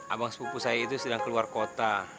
abang sepupu saya itu sedang keluar kota